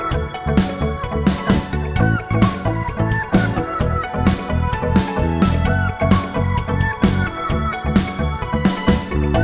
ya ini ada aku juga